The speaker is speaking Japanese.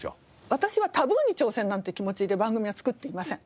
私はタブーに挑戦なんて気持ちで番組は作っていません。